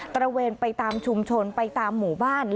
ระเวนไปตามชุมชนไปตามหมู่บ้าน